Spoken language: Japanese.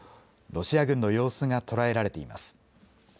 ロシア軍の様子が捉えられています。